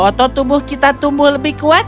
otot tubuh kita tumbuh lebih kuat